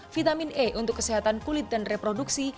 vitamin e untuk kesehatan kulit dan reproduksi